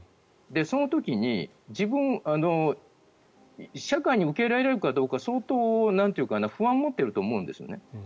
その時に社会に受け入れられるかどうか相当不安を持っていると思うんですね。